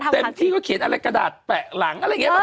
เต็มที่ก็เขียนอะไรกระดาษแปะหลังอะไรอย่างนี้ป่